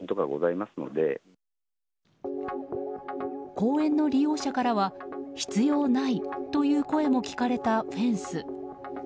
公園の利用者からは必要ないという声も聞かれたフェンス。